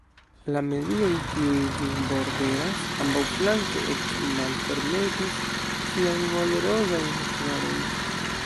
La melioj, kiuj ĝin borderas ambaŭflanke, ekmalfermetis siajn odorozajn florojn.